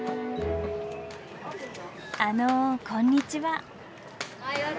あのこんにちは。